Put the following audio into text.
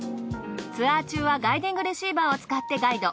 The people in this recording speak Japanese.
ツアー中はガイディングレシーバーを使ってガイド。